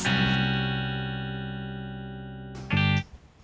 besoknya dibikin lagi